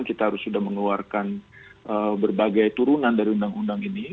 kita harus sudah mengeluarkan berbagai turunan dari undang undang ini